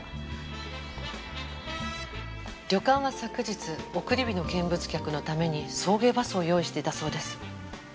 旅館は昨日送り火の見物客のために送迎バスを用意していたそうです。